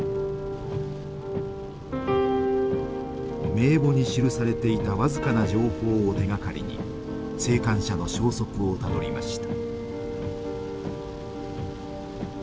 名簿に記されていたわずかな情報を手がかりに生還者の消息をたどりました。